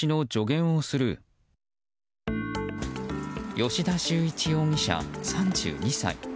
吉田秀一容疑者、３２歳。